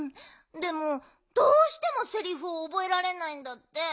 でもどうしてもセリフをおぼえられないんだって。